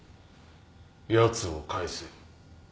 やつを帰せ。